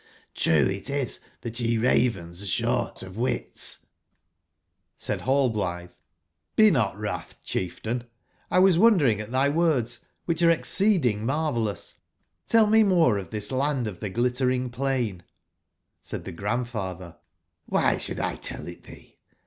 TTrue it is that ye Ravens are short of wits/' Said Rallblithe:''Be not wrath, chieftain;! was wondering at thy words, which are exceedingmarvellous ; tellmemore of this land of the Glittering plain "j? Said the Grand father :<JJby should 1 tell it thee